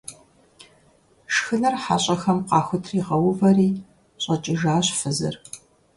Шхыныр хьэщӀэхэм къахутригъэувэри щӏэкӏыжащ фызыр.